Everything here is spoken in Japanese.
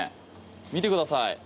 見てください！